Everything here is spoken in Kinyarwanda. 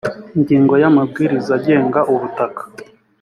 ingingo ya amabwiriza agenga ubutaka